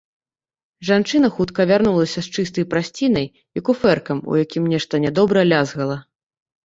Жанчына хутка вярнулася з чыстай прастцінай і куфэркам, у якім нешта нядобра лязгала.